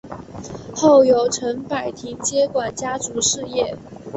后由陈柏廷接管家族事业。